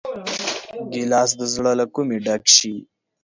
ګیلاس د زړه له کومي ډک شي.